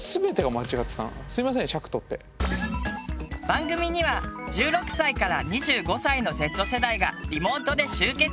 番組には１６歳から２５歳のＺ世代がリモートで集結。